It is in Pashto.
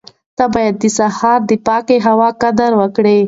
ته باید د سهار د پاکې هوا قدر وکړې.